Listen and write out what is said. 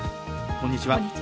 こんにちは。